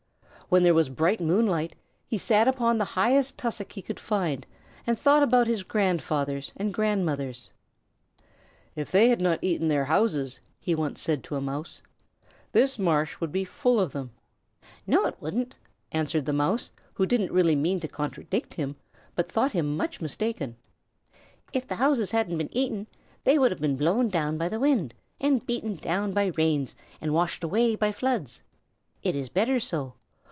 When there was bright moonlight, he sat upon the highest tussock he could find and thought about his grandfathers and grandmothers. "If they had not eaten their houses," he once said to a Mouse, "this marsh would be full of them." "No it wouldn't," answered the Mouse, who didn't really mean to contradict him, but thought him much mistaken. "If the houses hadn't been eaten, they would have been blown down by the wind and beaten down by rains and washed away by floods. It is better so.